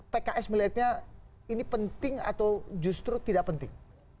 pks melihatnya ini penting atau justru tidak penting